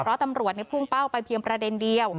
เพราะตำรวจพุ่งเป้าไปเพียงประเด็นเดียว